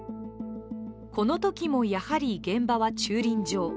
このときも、やはり現場は駐輪場。